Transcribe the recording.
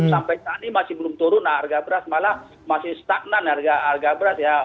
sampai saat ini masih belum turun harga beras malah masih stagnan harga beras ya